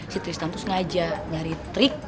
si tristan itu sengaja nyari trik